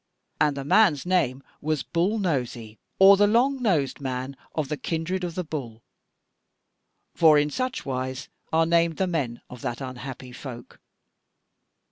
And the man's name was Bull Nosy, or the longnosed man of the kindred of the Bull, for in such wise are named the men of that unhappy folk.